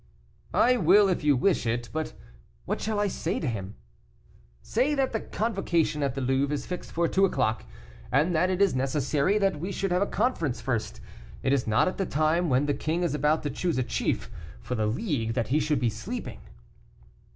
"I will if you wish it; but what shall I say to him?" "Say that the convocation at the Louvre is fixed for two o'clock, and that it is necessary that we should have a conference first. It is not at the time when the king is about to choose a chief for the League that he should be sleeping."